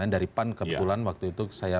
dari pan kebetulan waktu itu saya